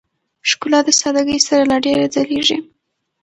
ښکلا د سادهګۍ سره لا ډېره ځلېږي.